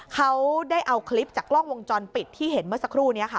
เขาได้เอาคลิปจากกล้องวงจรปิดที่เห็นเมื่อสักครู่นี้ค่ะ